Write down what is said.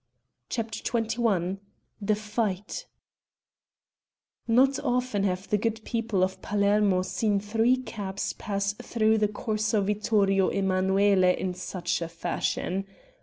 CHAPTER XXI THE FIGHT Not often have the good people of Palermo seen three cabs pass through the Corso Vittorio Emmanuele in such fashion.